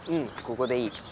ここでいい。